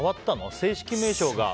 正式名称がはい。